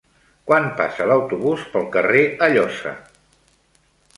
Quan passa l'autobús pel carrer Alloza?